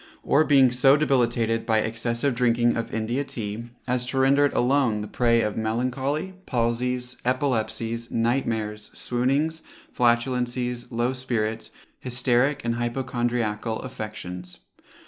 or being so debilitated by excessive drinking of India Tea, as to render it alone the prey of melancholy, palsies, epilepsies, night mares, swoonings, flatulencies, low spirits, hysteric and hypochondriacal affections.